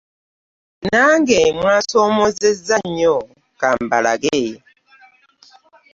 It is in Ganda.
Nange mwansoomoozezza nnyo ka mbalage.